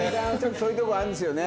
そういうところがあるんですよね。